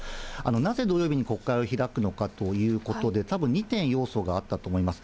なぜ土曜日に国会を開くのかということで、たぶん２点要素があったと思います。